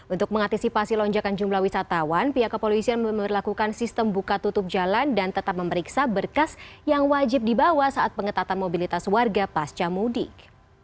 untuk mengantisipasi lonjakan jumlah wisatawan pihak kepolisian memperlakukan sistem buka tutup jalan dan tetap memeriksa berkas yang wajib dibawa saat pengetatan mobilitas warga pasca mudik